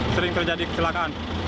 sering terjadi kecelakaan